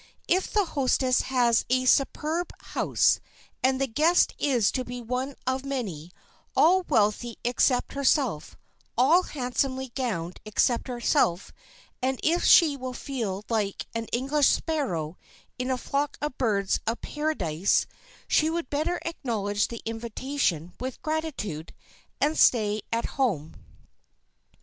If the hostess has a superb house, and the guest is to be one of many, all wealthy except herself, all handsomely gowned except herself, and if she will feel like an English sparrow in a flock of birds of paradise, she would better acknowledge the invitation, with gratitude, and stay at home.